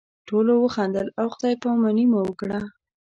ټولو وخندل او خدای پاماني مو وکړه.